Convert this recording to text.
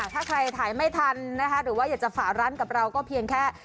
ถ้าใครถ่ายไม่ทันนะคะหรือว่าอยากจะฝาร้านกับเราก็เพียงแค่